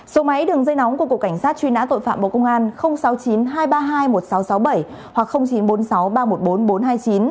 số máy đường dây nóng của cục cảnh sát truy nã tội phạm bộ công an sáu mươi chín hai trăm ba mươi hai một nghìn sáu trăm sáu mươi bảy hoặc chín trăm bốn mươi sáu ba trăm một mươi bốn nghìn bốn trăm hai mươi chín